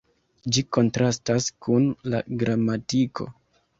Ĝi kontrastas kun la gramatiko.